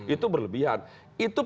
itu berlebihan itu